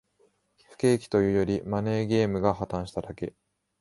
不景気というより、マネーゲームが破綻しただけ